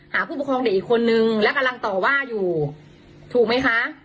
ผู้ปกครองเด็กอีกคนนึงและกำลังต่อว่าอยู่ถูกไหมคะ